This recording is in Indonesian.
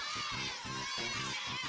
kan kau tahu